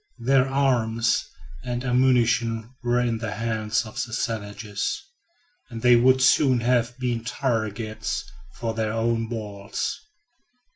Their arms and ammunition were in the hands of the savages, and they would soon have been targets for their own balls.